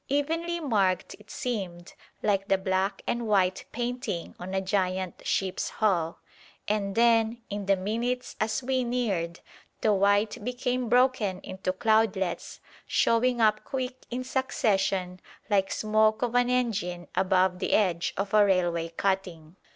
Evenly marked it seemed, like the black and white painting on a giant ship's hull. And then, in the minutes as we neared, the white became broken into cloudlets, showing up quick in succession like smoke of an engine above the edge of a railway cutting.